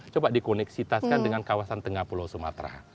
coba dikoneksitaskan dengan kawasan tengah pulau sumatera